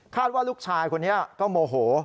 ว่าลูกชายคนนี้ก็โมโห